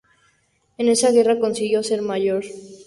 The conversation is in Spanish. En esa guerra consiguió ser Mayor.